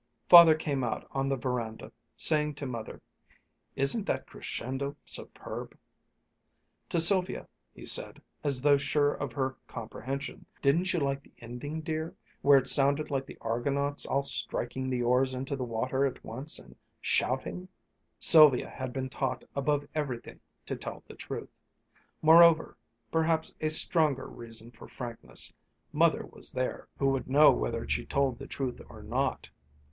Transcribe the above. Father came out on the veranda, saying to Mother, "Isn't that crescendo superb?" To Sylvia he said, as though sure of her comprehension, "Didn't you like the ending, dear where it sounded like the Argonauts all striking the oars into the water at once and shouting?" Sylvia had been taught above everything to tell the truth. Moreover (perhaps a stronger reason for frankness), Mother was there, who would know whether she told the truth or not.